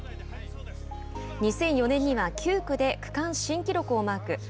２００４年には９区で区間新記録をマーク。